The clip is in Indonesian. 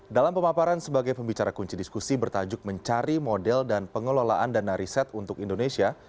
dalam pemaparan sebagai pembicara kunci diskusi bertajuk mencari model dan pengelolaan dana riset untuk indonesia